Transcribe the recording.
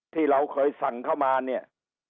ที่เราเคยสั่งเข้ามาเนี่ย